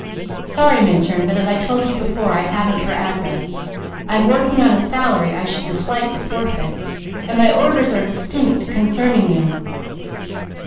"Sorry Minturn, but as I told you before, I haven't her address. I'm working on a salary I should dislike to forfeit, and my orders are distinct concerning you."